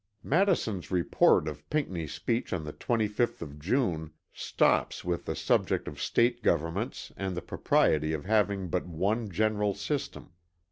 Madison's report of Pinckney's speech on the 25th of June stops with the subject of State governments and the propriety of having but one general system.